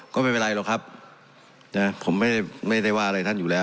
ก็ไม่เป็นไรหรอกครับนะผมไม่ได้ว่าอะไรท่านอยู่แล้ว